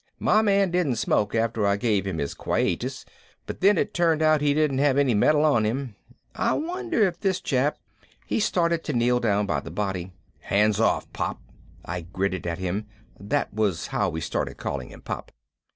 My man didn't smoke after I gave him his quietus, but then it turned out he didn't have any metal on him. I wonder if this chap " He started to kneel down by the body. "Hands off, Pop!" I gritted at him. That was how we started calling him Pop.